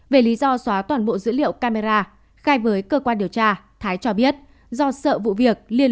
về lý do xóa toàn bộ dữ liệu camera khai với cơ quan điều tra thái cho biết do sợ vụ việc liên